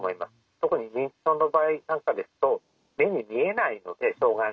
特に認知症の場合なんかですと目に見えないので障害があるっていうことが。